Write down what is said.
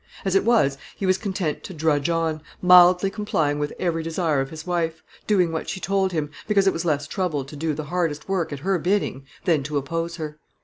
As it was, he was content to drudge on, mildly complying with every desire of his wife; doing what she told him, because it was less trouble to do the hardest work at her bidding than to oppose her.